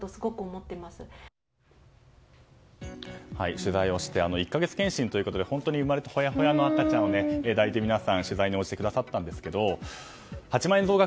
取材をして１か月検診ということで本当にうまれてほやほやの赤ちゃんを出して取材に応じてくださいましたが８万円増額